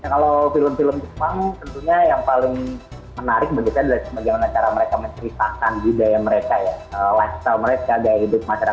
kalau film film jepang tentunya yang paling menarik benar benar adalah film film jepang